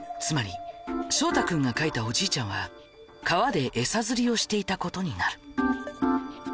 つまり翔太君が描いたおじいちゃんは川で餌釣りをしていたことになる。